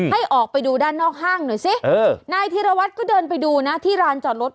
ให้ออกไปดูด้านนอกห้างหน่อยสินายธีรวัตรก็เดินไปดูนะที่ร้านจอดรถ